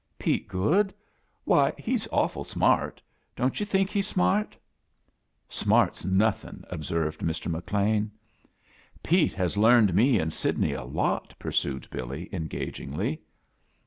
"Pete Goode? Why, he's awful smart. Don't you think he's smart ?" "Smart's nothin'," observed Hr. Ho Lean. "Pete has learned me and Sidney a lot»" pursued Billy, engagingly.